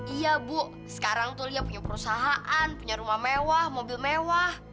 iya bu sekarang tuh dia punya perusahaan punya rumah mewah mobil mewah